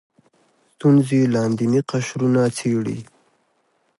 ستونزې لاندیني قشرونه څېړي